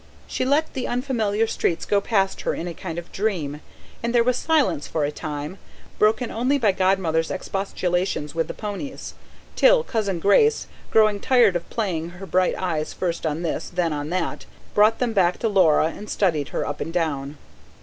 She let the unfamiliar streets go past her in a kind of dream; and there was silence for a time, broken only by Godmother's expostulations with the ponies, till Cousin Grace, growing tired of playing her bright eyes first on this, then on that, brought them back to Laura and studied her up and down.